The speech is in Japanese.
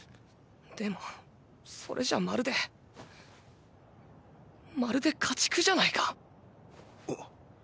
でもそれじゃまるでまるで家畜じゃないか。